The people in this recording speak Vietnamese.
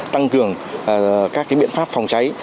tăng cường các biện pháp phòng cháy